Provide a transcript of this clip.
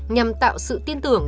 nhằm tạo sự tin tưởng